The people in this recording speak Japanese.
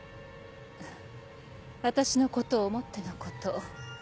私のことを思ってのこと。